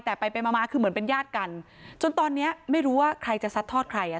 แต่ไปไปมามาคือเหมือนเป็นญาติกันจนตอนนี้ไม่รู้ว่าใครจะซัดทอดใครอ่ะ